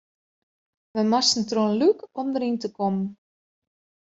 Wy moasten troch in lûk om deryn te kommen.